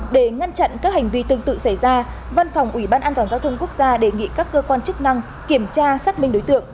để ngăn chặn các hành vi tương tự xảy ra văn phòng ủy ban an toàn giao thông quốc gia đề nghị các cơ quan chức năng kiểm tra xác minh đối tượng